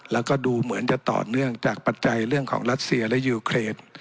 แล้วก็ดูเหมือนจะต่อเนื่องจากปัจจัยเรื่องของรัสเซียและยูเครน